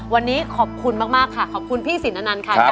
วันนี้ขอบคุณมากค่ะขอบคุณพี่สินอนันต์ค่ะ